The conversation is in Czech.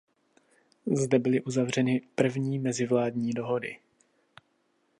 Zde byly uzavřeny první mezivládní dohody.